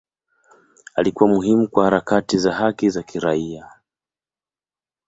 Alikuwa muhimu kwa harakati za haki za kiraia.